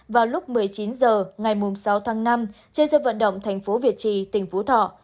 vào lúc một mươi chín h ngày sáu tháng năm trên sân vận động thành phố việt trì tỉnh phú thọ